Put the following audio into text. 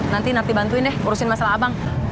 nanti nanti bantuin deh urusin masalah abang